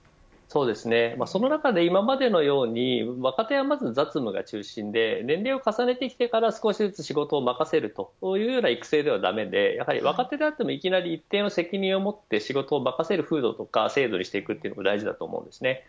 その中で今までのように若手はまず雑務が中心で年齢を重ねてきてから少しずつ仕事を任せるという育成ではだめで若手であってもいきなり一定の責任をもって仕事を任せる風土が大切です。